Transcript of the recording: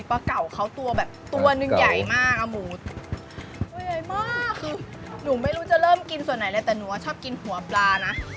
เก่าเขาตัวแบบตัวหนึ่งใหญ่มากอ่ะหมูตัวใหญ่มากคือหนูไม่รู้จะเริ่มกินส่วนไหนเลยแต่หนูว่าชอบกินหัวปลานะ